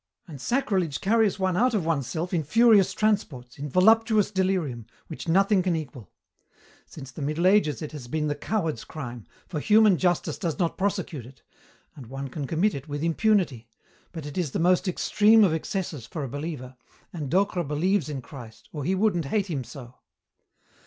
"And sacrilege carries one out of oneself in furious transports, in voluptuous delirium, which nothing can equal. Since the Middle Ages it has been the coward's crime, for human justice does not prosecute it, and one can commit it with impunity, but it is the most extreme of excesses for a believer, and Docre believes in Christ, or he wouldn't hate Him so.